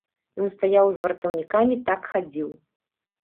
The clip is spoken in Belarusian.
Ён стаяў з вартаўнікамі, так хадзіў.